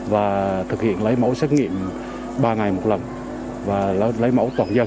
và thực hiện lấy mẫu xét nghiệm ba ngày một lần và lấy mẫu toàn dân